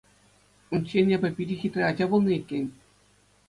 Унччен эпӗ питӗ хитре ача пулнӑ иккен.